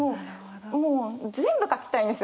もう全部書きたいんですよ